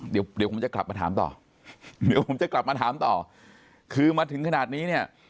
เดี๋ยวผมจะกลับมาถามต่อคือมาถึงขนาดนี้เนี่ย